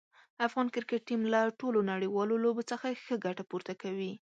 افغان کرکټ ټیم له ټولو نړیوالو لوبو څخه ښه ګټه پورته کوي.